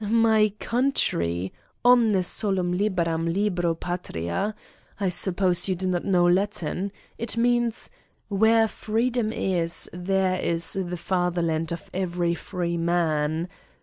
" "My country? ... Omne solum liberam libero patria. I suppose you do not know Latin? It means : "Where freedom is there is the fatherland of every free man.